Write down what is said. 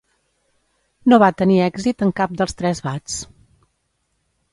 No va tenir èxit en cap dels tres bats.